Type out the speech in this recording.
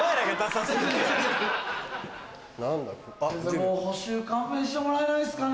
もう補習勘弁してもらえないっすかね。